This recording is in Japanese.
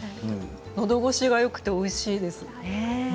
のどごしがよくておいしいです。